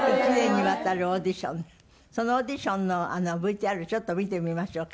そのオーディションのＶＴＲちょっと見てみましょうか。